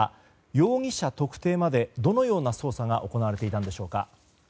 容疑者特定までどのような捜査が行われていたんでしょうか。